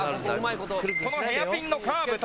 このヘアピンのカーブ